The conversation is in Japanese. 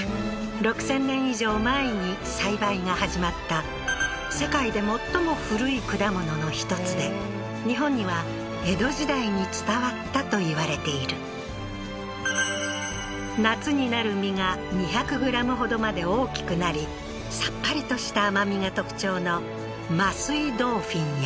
６０００年以上前に栽培が始まった世界で最も古い果物の１つで日本には江戸時代に伝わったといわれている夏になる実が２００ｇほどまで大きくなりさっぱりとした甘みが特徴の桝井ドーフィンや